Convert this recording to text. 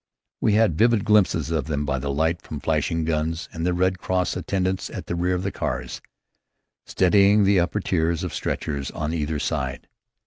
We had vivid glimpses of them by the light from flashing guns, and of the Red Cross attendants at the rear of the cars, steadying the upper tiers of stretchers on either side.